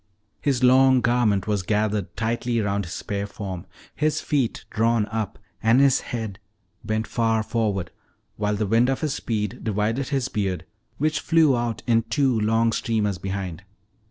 His long garment was gathered tightly round his spare form, his feet drawn up and his head bent far forward, while the wind of his speed divided his beard, which flew out in two long streamers behind.